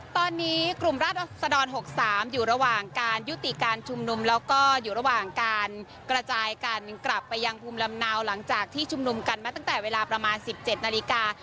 ตอนนี้กลุ่มราชดร๖๓อยู่ระหว่างการยุติการชุมนุมแล้วก็อยู่ระหว่างการกระจายกันกลับไปยังภูมิลำเนาหลังจากที่ชุมนุมกันมาตั้งแต่เวลาประมาณ๑๗นาฬิกา